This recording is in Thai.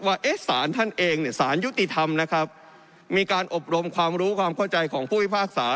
ว่าเอ๊ะสารท่านเองเนี่ยสารยุติธรรมนะครับมีการอบรมความรู้ความเข้าใจของผู้พิพากษา